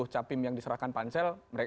sepuluh capim yang diserahkan pansel